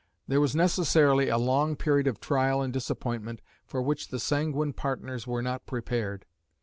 There was necessarily a long period of trial and disappointment for which the sanguine partners were not prepared.